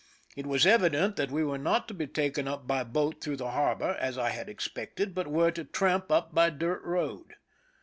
It was evident that we were not to be taken up by boat through the harbor, as I had expected, but were to tramp up by dirt road.